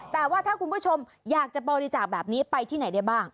แต่ว่าถ้าคุณผู้ชมอยากจะบริจาคแบบนี้ไปที่ไหนได้บ้าง